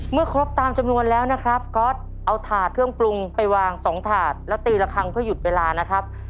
เมื่อครบตามจำนวนแล้วนะครับก๊อตเอาถาดเครื่องปรุงไปวาง๒ถาดแล้วตีละครั้งเพื่อหยุดเวลานะครับ